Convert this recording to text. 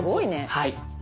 はい。